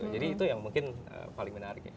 jadi itu yang mungkin paling menarik